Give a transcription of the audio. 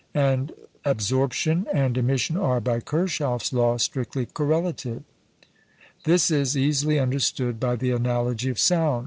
And absorption and emission are, by Kirchhoff's law, strictly correlative. This is easily understood by the analogy of sound.